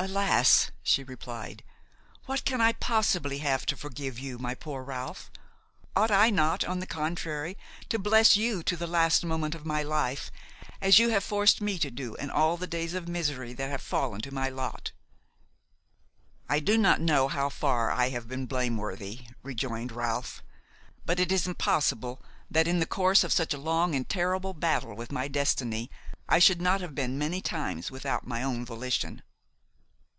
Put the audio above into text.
"Alas!" she replied, "what can I possibly have to forgive you, my poor Ralph? Ought I not, on the contrary, to bless you to the last moment of my life, as you have forced me to do in all the days of misery that have fallen to my lot?" "I do not know how far I have been blameworthy," rejoined Ralph; "but it is impossible that, in the course of such a long and terrible battle with my destiny, I should not have been many times without my own volition."